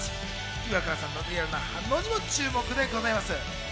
イワクラさんのリアルな反応にも注目でございます。